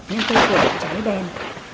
nhưng không còn trái đen